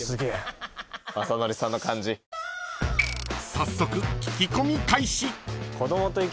［早速聞き込み開始］